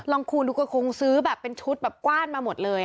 คูณดูก็คงซื้อแบบเป็นชุดแบบกว้านมาหมดเลย